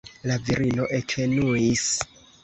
La virino ekenuis.